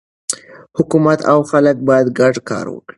حکومت او خلک باید ګډ کار وکړي.